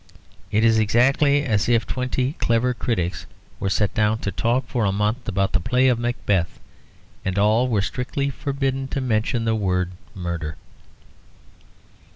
It is exactly as if twenty clever critics were set down to talk for a month about the play of Macbeth, and were all strictly forbidden to mention the word "murder."